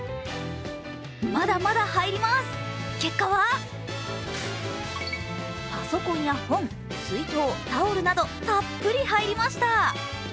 まだまだ入ります、結果はパソコンや本、水筒、タオルなどたっぷり入りました。